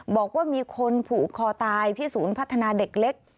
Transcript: บอกว่ามีคนผูกคอตายที่ศูนย์พัฒนาเด็กเล็ก